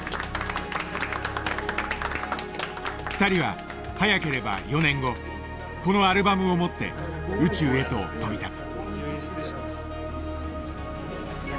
２人は早ければ４年後このアルバムを持って宇宙へと飛び立つ。